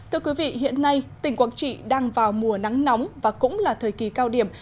thưa quý vị hiện nay tỉnh quảng trị đang vào mùa nắng nóng và cũng là thời kỳ cao điểm